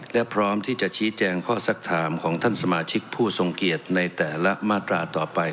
และพร้อมที่จะชี้แจงข้อสักถามของท่านสมาชิกผู้ทรงเกียรติในแต่ละมาตราต่อไป